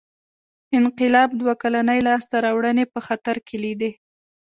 انقلاب دوه کلنۍ لاسته راوړنې په خطر کې لیدې.